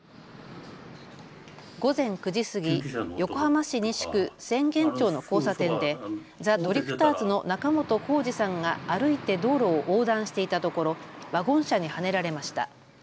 午前９時過ぎ、横浜市西区浅間町の交差点でザ・ドリフターズの仲本工事さんが歩いて道路を横断していたところ、ワゴン車にはねられました。